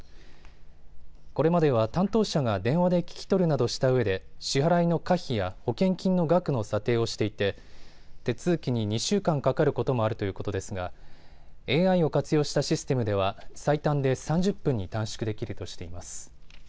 これまでは担当者が電話で聞き取るなどしたうえで支払いの可否や保険金の額の査定をしていて手続きに２週間かかることもあるということですがＡＩを活用したシステムでは、最短で３０分に短縮できるとしています。